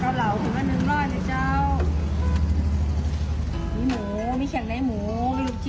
มาอู้เลยอู้มาเลย